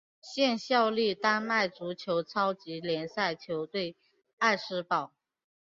现效力丹麦足球超级联赛球队艾斯堡。